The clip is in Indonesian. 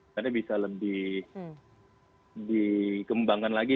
karena bisa lebih dikembangkan lagi